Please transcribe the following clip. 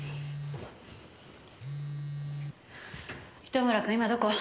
糸村君今どこ？